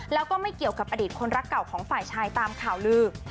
แล้วก็ไม่เกี่ยวกับอดีตคนรักเก่าของฝ่ายชายตามข่าวลือ